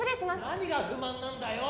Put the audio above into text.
何が不満なんだよ！